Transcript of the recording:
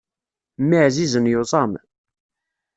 Mmi ɛzizen yuẓam.